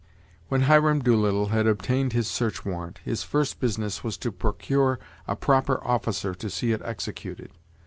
When Hiram Doolittle had obtained his search warrant, his first business was to procure a proper officer to see it executed.